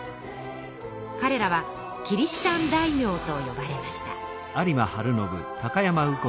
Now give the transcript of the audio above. かれらはキリシタン大名とよばれました。